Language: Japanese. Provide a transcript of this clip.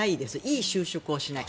いい収縮をしない。